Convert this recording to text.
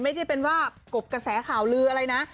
ไม่ได้เป็นว่ากบกระแสข่าวลืออะไรนะ